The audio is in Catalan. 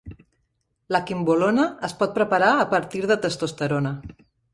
La quimbolona es pot preparar a partir de testosterona.